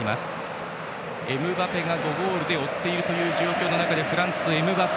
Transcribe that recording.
エムバペが５ゴールで追っている状況でフランス、エムバペ。